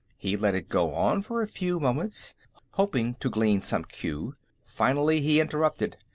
He let it go on for a few moments, hoping to glean some clue. Finally, he interrupted.